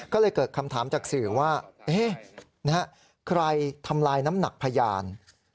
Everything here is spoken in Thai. ก็เลยเกิดคำถามจากสื่อว่าใครทำลายน้ำหนักพยาน